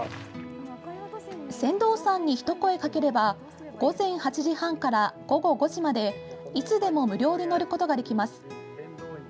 船頭さんに一声かければ午前８時半から午後５時までいつでも無料で乗ることができます。